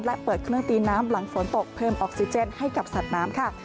และเปิดเครื่องตีน้ำหลังฝนตกเพิ่มออกซิเจนให้กับสัตว์น้ำค่ะ